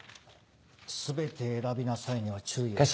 「全て選びなさい」には注意をして。